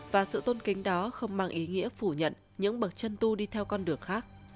và sự tôn kính đó không mang ý nghĩa phủ nhận những bậc chân tu đi theo con đường khác